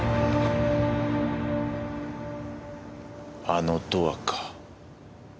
あのドアか。